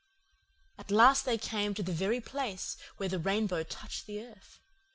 "At last they came to the very place where the rainbow touched the earth.